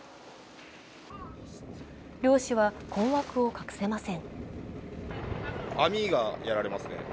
漁師は困惑を隠せません。